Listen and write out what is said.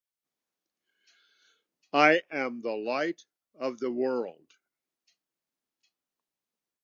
I am the light of the world.